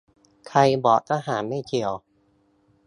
ใครบอกทหารไม่เกี่ยว